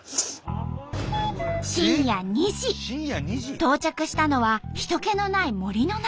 到着したのは人けのない森の中。